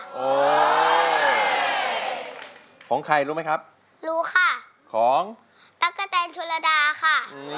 โอ้โหของใครรู้ไหมครับรู้ค่ะของตั๊กกะแตนชุลดาค่ะ